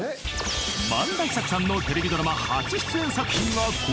［萬田久子さんのテレビドラマ初出演作品はこちら］